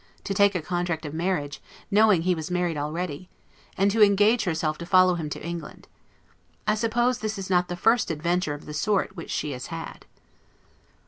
to take a contract of marriage, knowing he was married already; and to engage herself to follow him to England. I suppose this is not the first adventure of the sort which she has had.